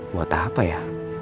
buat apa ya